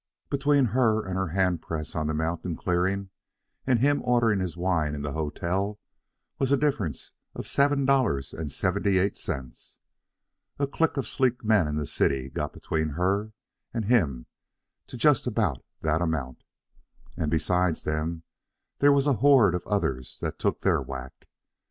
Between her and her hand press on the mountain clearing and him ordering his wine in the hotel was a difference of seven dollars and seventy eight cents. A clique of sleek men in the city got between her and him to just about that amount. And, besides them, there was a horde of others that took their whack.